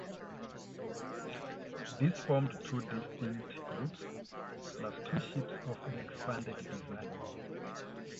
These formed two distinct groups, plus two ships of an expanded design.